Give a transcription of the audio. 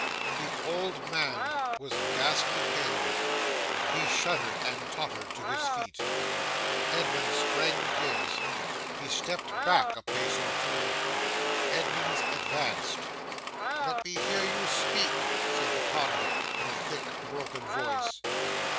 'The old man was ghastly pale. He shuddered and tottered to his feet. Edmunds sprang to his. He stepped back a pace or two. Edmunds advanced. '"Let me hear you speak," said the convict, in a thick, broken voice.